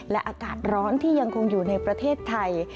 และอากาศร้อนที่ยังคงอยู่ในประเทศไทย